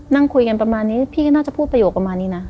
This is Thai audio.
นั่งคุยกันประมาณนี้พี่ก็น่าจะพูดประโยคประมาณนี้นะ